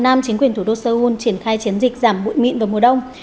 năm chính quyền thủ đô seoul triển khai chiến dịch giảm bụi mịn vào mùa đông